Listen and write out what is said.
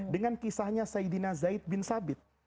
dengan kisahnya sayyidina zaid bin sabit